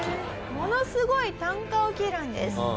ものすごい啖呵を切るんです。